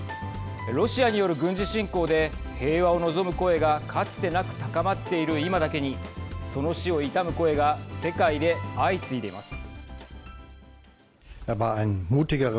ロシアによる軍事侵攻で平和を望む声がかつてなく高まっている今だけにその死を悼む声が世界で相次いでいます。